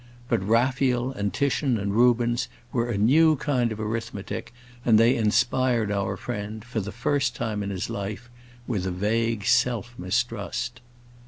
But Raphael and Titian and Rubens were a new kind of arithmetic, and they inspired our friend, for the first time in his life, with a vague self mistrust.